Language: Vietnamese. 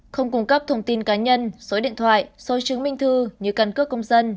không cung cấp thông tin cá nhân số điện thoại số chứng minh thư như căn cước công dân